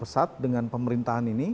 bekerja keras dengan pemerintahan ini